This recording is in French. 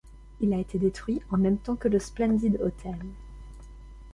Il a été détruit en même temps que le Splendid Hôtel.